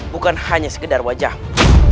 bukan hanya sekedar wajahmu